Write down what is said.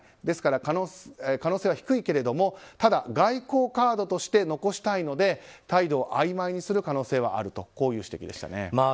ですから可能性は低いけれどもただ外交カードとして残したいので態度をあいまいにする可能性はあるという指摘でした。